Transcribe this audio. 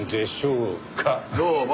どうも。